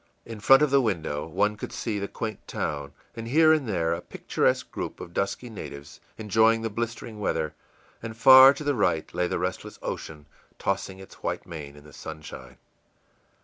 In front of the window one could see the quaint town, and here and there a picturesque group of dusky natives, enjoying the blistering weather; and far to the right lay the restless ocean, tossing its white mane in the sunshine.